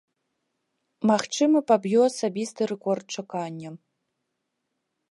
Магчыма, паб'ю асабісты рэкорд чакання.